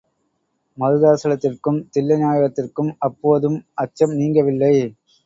மருதாசலத்திற்கும், தில்லைநாயகத்திற்கும் அப்போதும் அச்சம் நீங்கவில்லை.